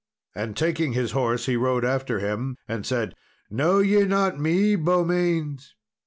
And taking his horse, he rode after him, and said, "Know ye not me, Beaumains?"